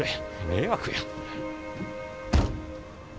迷惑や。